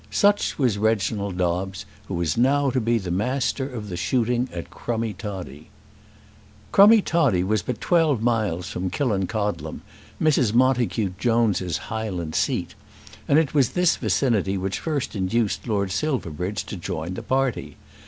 Such was Reginald Dobbes, who was now to be the master of the shooting at Crummie Toddie. Crummie Toddie was but twelve miles from Killancodlem, Mrs. Montacute Jones's highland seat; and it was this vicinity which first induced Lord Silverbridge to join the party.